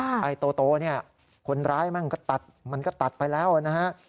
ไอ้โตเนี่ยคนร้ายมั่งก็ตัดมันก็ตัดไปแล้วนะฮะ